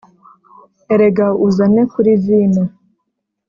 'erega uzane kuri vino